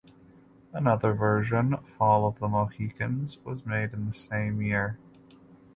Another version "Fall of the Mohicans" was made the same year.